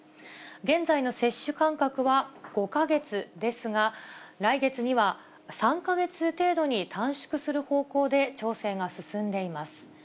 現在の接種間隔は５か月ですが、来月には３か月程度に短縮する方向で調整が進んでいます。